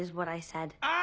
ああ！